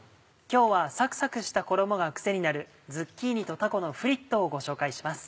今日はサクサクした衣がクセになる「ズッキーニとたこのフリット」をご紹介します。